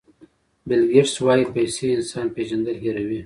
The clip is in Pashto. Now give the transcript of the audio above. بیل ګېټس وایي پیسې انسان پېژندل هیروي.